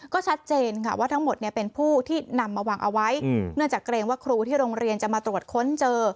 ก็ชัดเจนค่ะว่าทั้งหมดเนี่ยเป็นผู้ที่นำมาวางเอาไว้เนื่องจากเกรงว่าครูที่โรงเรียนจะมาตรวจค้นเจอ